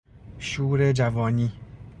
شور جوانی